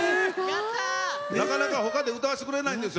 なかなか他で歌わせてくれないんです。